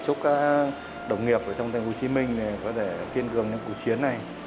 chúc các đồng nghiệp ở tp hcm có thể tiên cường những cuộc chiến này